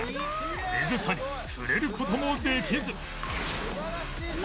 水谷触れる事もできず